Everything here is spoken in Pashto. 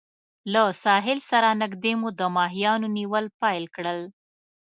له ساحل سره نږدې مو د ماهیانو نیول پیل کړل.